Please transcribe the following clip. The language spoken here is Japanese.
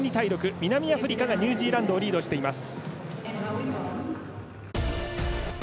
南アフリカがニュージーランドをリードしています。